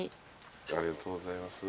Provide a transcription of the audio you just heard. ありがとうございます。